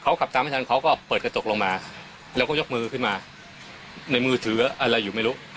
เขาขับตามไม่ทันเขาก็เปิดกระจกลงมาแล้วก็ยกมือขึ้นมาในมือถืออะไรอยู่ไม่รู้